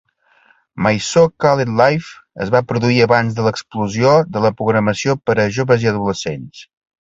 "My So-Called Life" es va produir abans de l'explosió de la programació per a joves i adolescents.